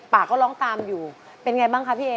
ป่าก็ร้องตามอยู่เป็นไงบ้างคะพี่เอ๋